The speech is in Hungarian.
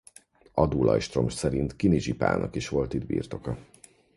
Az adólajstrom szerint Kinizsi Pálnak is volt itt birtoka.